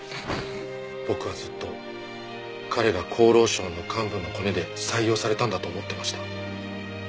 僕はずっと彼が厚労省の幹部のコネで採用されたんだと思ってました。